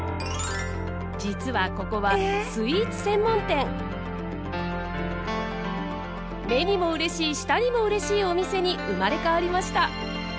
実はここは目にもうれしい舌にもうれしいお店に生まれ変わりました。